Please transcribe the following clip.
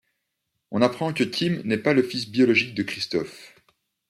On apprend que Kim n'est pas le fils biologique de Christophe.